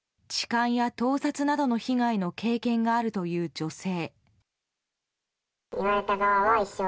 痴漢や盗撮などの被害の経験があるという女性。